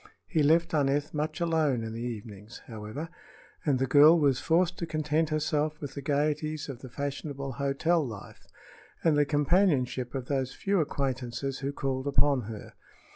He left Aneth much alone in the evenings, however, and the girl was forced to content herself with the gaieties of the fashionable hotel life and the companionship of those few acquaintances who called upon her.